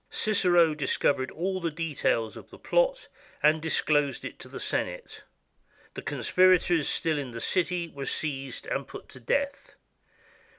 Cicero discovered all the details of the plot and disclosed it to the Senate. The conspirators still in the city were seized and put to death.